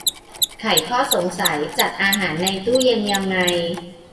ไขข้อสงสัย จัดอาหารในตู้เย็นยังไง